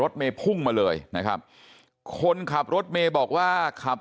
เมย์พุ่งมาเลยนะครับคนขับรถเมย์บอกว่าขับ